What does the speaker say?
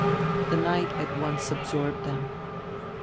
The night at once absorbed them.